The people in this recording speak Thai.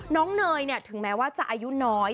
น้องเนยเนี่ยถึงแม้ว่าจะอายุน้อย